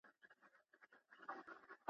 اوس به څوك له قلندره سره ژاړي!